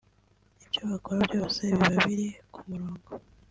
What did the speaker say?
ibyo bakora byose biba biri ku murongo